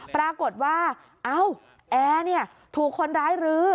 ปรากฏว่าอ้าวเนี้ยถูกคนร้ายรื้อ